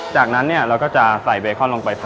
จากนั้นเนี่ยเราก็จะใส่เบคอนลงไป